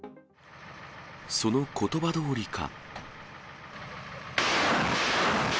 そのことばどおりか。